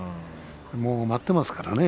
もう、待っていますからね